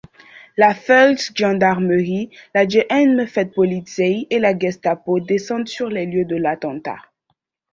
La Feldgendarmerie, la Geheime Feldpolizei et la Gestapo descendent sur les lieux de l'attentat.